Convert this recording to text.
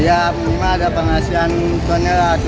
ya minimal ada penghasilan soalnya lah tentu